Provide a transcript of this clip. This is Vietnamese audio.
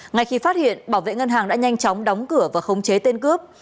ngay khi phát hiện bảo vệ ngân hàng đã nhanh chóng đóng cửa và khống chế tên cướp